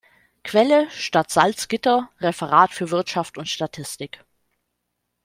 Quelle: Stadt Salzgitter; Referat für Wirtschaft und Statistik.